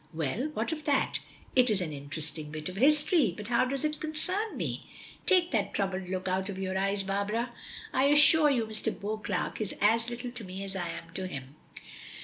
"Well what of that? It is an interesting bit of history, but how does it concern me? Take that troubled look out of your eyes, Barbara. I assure you Mr. Beauclerk is as little to me as I am to him."